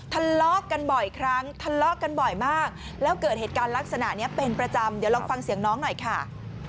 ทะเลาะกันบ่อยครั้งทะเลาะกันบ่อยมากแล้วเกิดเหตุการณ์ลักษณะนี้เป็นประจำเดี๋ยวลองฟังเสียงน้องหน่อยค่ะ